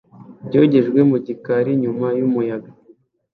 byogejwe mu gikari nyuma yumuyaga